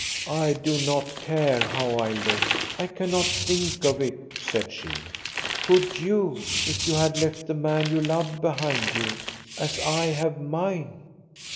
"I do not care how I look. I cannot think of it," said she; "could you, if you had left the man you love behind you, as I have mine?"